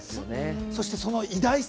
そして、その偉大さ。